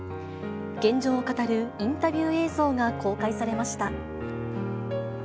現状を語るインタビュー映像が公開されました。